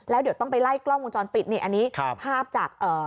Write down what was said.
แล้วเดี๋ยวต้องไปไล่กล้องวงจรปิดนี่อันนี้ครับภาพจากเอ่อ